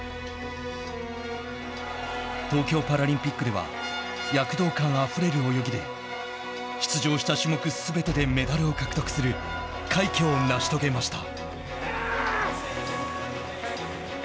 東京パラリンピックでは躍動感あふれる泳ぎで出場した種目すべてでメダルを獲得する快挙を成し遂げました。